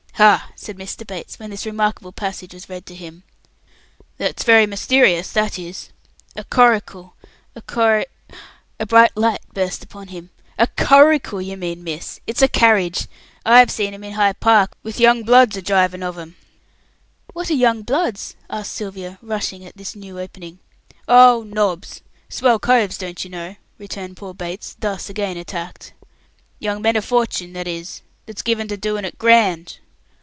"Hah," said Mr. Bates, when this remarkable passage was read to him, "that's very mysterious, that is. A corricle, a cory " a bright light burst upon him. "A curricle you mean, missy! It's a carriage! I've seen 'em in Hy' Park, with young bloods a drivin' of 'em." "What are young bloods?" asked Sylvia, rushing at this "new opening". "Oh, nobs! Swell coves, don't you know," returned poor Bates, thus again attacked. "Young men o' fortune that is, that's given to doing it grand."